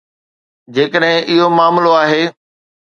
جيڪڏهن اهو معاملو آهي.